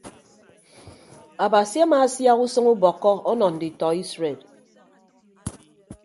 Abasi amaasiak usʌñ ubọkkọ ọnọ nditọ isred.